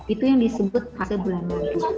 itu yang disebut fase belamadu